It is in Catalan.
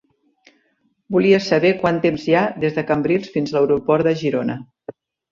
Volia saber quant temps hi ha des de Cambrils fins a l'aeroport de Girona.